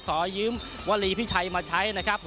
ขอยืมวลีพิชัยมาใช้นะครับ